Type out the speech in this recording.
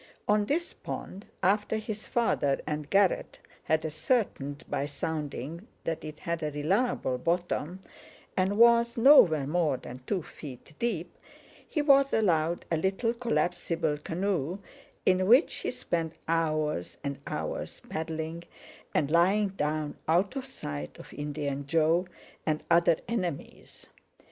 On this pond, after his father and Garratt had ascertained by sounding that it had a reliable bottom and was nowhere more than two feet deep, he was allowed a little collapsible canoe, in which he spent hours and hours paddling, and lying down out of sight of Indian Joe and other enemies.